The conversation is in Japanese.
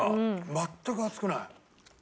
全く熱くない。